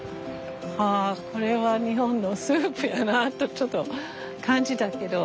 これは日本のスープやなあとちょっと感じたけど。